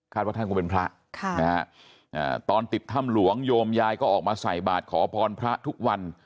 ว่าท่านคงเป็นพระตอนติดถ้ำหลวงโยมยายก็ออกมาใส่บาทขอพรพระทุกวัน